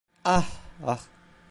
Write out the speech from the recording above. Ah, ah…